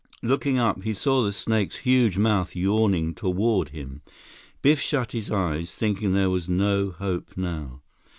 Looking up, he saw the snake's huge mouth yawning toward him. Biff shut his eyes, thinking there was no hope now.